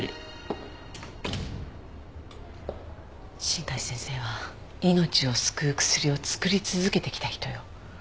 新海先生は命を救う薬を作り続けてきた人よ。